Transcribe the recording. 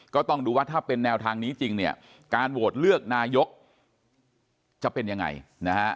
ก็ต้องดูว่าถ้าเป็นแนวทางนี้จริงเนี่ยการโหวตเลือกนายกจะเป็นยังไงนะฮะ